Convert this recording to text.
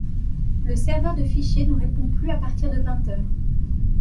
Le serveur de fichier ne répond plus à partir de vingt heure